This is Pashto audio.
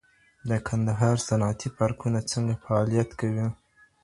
د کندهار صنعتي پارکونه څنګه فعالیت کوي؟